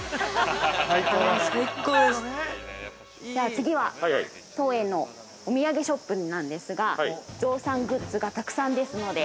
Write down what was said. ◆次は当園のお土産ショップなんですが象さんグッズがたくさんですので。